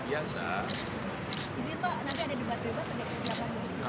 nanti ada debat bebas